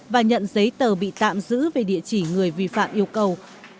và nhận giấy tờ bị tạm giữ về địa chỉ người vi phạm yêu cầu